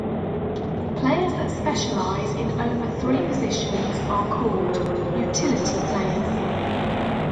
Players that specialise in over three positions are called "utility players".